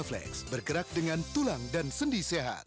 lukman rozak surabaya